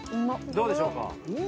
どうでしょうか？